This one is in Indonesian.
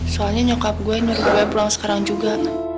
soalnya nyokap gue nyuruh gue pulang sekarang juga